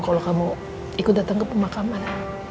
kalau kamu ikut datang ke pemakaman